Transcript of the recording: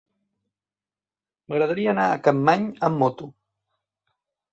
M'agradaria anar a Capmany amb moto.